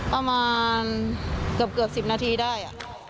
ประมาณเกือบ๑๐นาทีได้